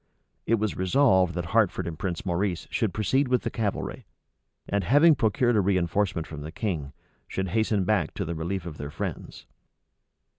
It was resolved that Hertford and Prince Maurice should proceed with the cavalry; and, having procured a reënforcement from the king, should hasten back to the relief of their friends.